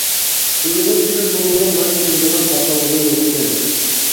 ئۇيغۇرچىدا بۇنىڭغا ماس كېلىدىغان ئاتالغۇ يوقكەن.